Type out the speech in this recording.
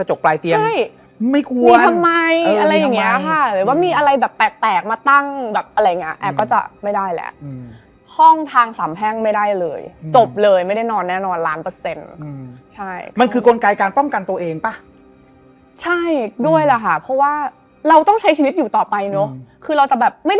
หน้าเรานั่งตาเหลืองตาเหลืองอยู่บนรถ